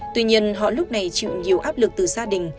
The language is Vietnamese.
tuy nhiên họ lúc này chịu nhiều áp lực từ gia đình